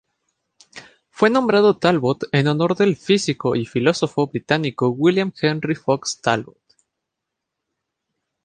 Fue nombrado Talbot en honor del físico y filósofo británico William Henry Fox Talbot.